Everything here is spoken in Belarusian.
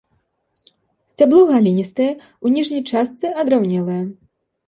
Сцябло галінастае, у ніжняй частцы адраўнелае.